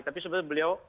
tapi sebenarnya beliau